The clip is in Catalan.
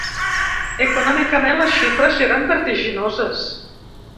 Econòmicament les xifres eren vertiginoses.